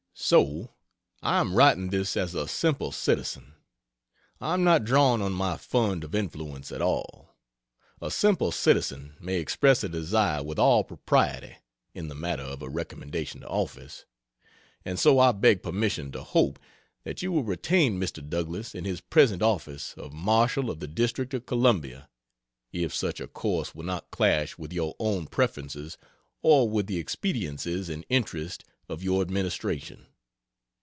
So I am writing this as a simple citizen. I am not drawing on my fund of influence at all. A simple citizen may express a desire with all propriety, in the matter of a recommendation to office, and so I beg permission to hope that you will retain Mr. Douglass in his present office of Marshall of the District of Columbia, if such a course will not clash with your own preferences or with the expediencies and interest of your administration.